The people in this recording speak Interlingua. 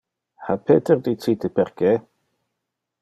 Ha Peter dicite perque?